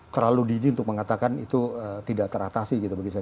terlalu dini untuk mengatakan itu tidak teratasi gitu bagi saya